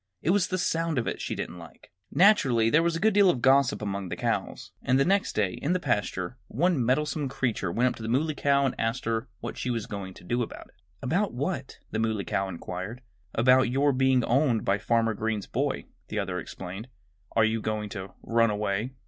It was the sound of it that she didn't like. Naturally there was a good deal of gossip among the cows. And the next day, in the pasture, one meddlesome creature went up to the Muley Cow and asked her what she was going to do about it. "About what?" the Muley Cow inquired. "About your being owned by Farmer Green's boy," the other explained. "Are you going to run away?"